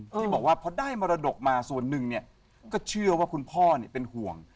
ที่บอกว่าพอได้มรดกมาส่วนหนึ่งเนี่ยก็เชื่อว่าคุณพ่อเป็นห่วง